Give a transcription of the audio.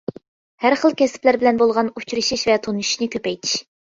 ھەر خىل كەسىپلەر بىلەن بولغان ئۇچرىشىش ۋە تونۇشۇشنى كۆپەيتىش.